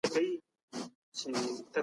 پرې را تاو یې کړه